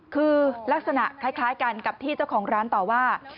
คือลักษณะคล้ายกันกับที่เจ้าของร้านต่อว่า